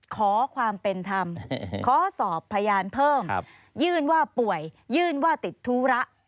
ขอความเป็นธรรมขอสอบพยานเพิ่มยื่นว่าป่วยยื่นว่าติดธุระ